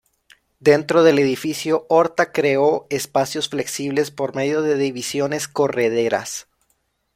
Dentro del edificio, Horta creó espacios flexibles por medio de divisiones correderas.